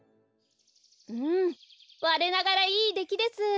うんわれながらいいできです。